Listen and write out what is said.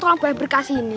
kalian tolong beri kasih ini